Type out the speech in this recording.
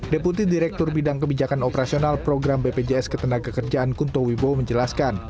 deputi direktur bidang kebijakan operasional program bpjs ketenagakerjaan kunto wibowo menjelaskan